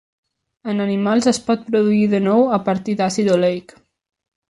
En animals, es pot produir de nou a partir d'àcid oleic.